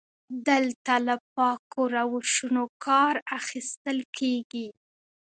دلته له پاکو روشونو کار اخیستل کیږي.